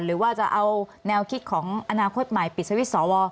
หรือว่าจะเอาแนวคิดของอนาคตใหม่ปิดสวิตช์สว